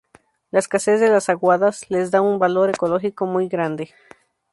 La escasez de las aguadas, les da un valor ecológico muy grande.